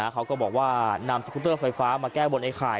เขาก็บอกว่านำสกุตเตอร์ไฟฟ้ามาแก้บนไอ้ไข่